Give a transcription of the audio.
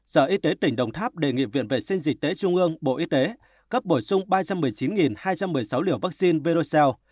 sở y tế tỉnh đồng tháp đề nghị viện vệ sinh dịch tễ trung ương bộ y tế cấp bổ sung ba trăm một mươi chín hai trăm một mươi sáu liều vaccine vercel